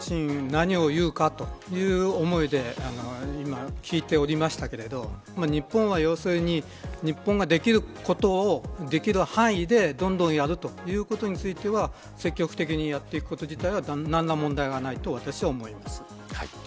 何を言うかという思いで今、聞いておりましたけれど日本は要するに日本ができることをできる範囲で、どんどんやるということについては積極的にやっていくこと自体は何ら問題はないと私は思います。